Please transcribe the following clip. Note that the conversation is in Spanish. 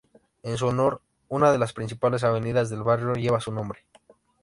En su honor, una de las principales avenidas del barrio lleva su nombre.